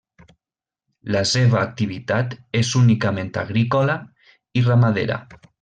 La seva activitat és únicament agrícola i ramadera.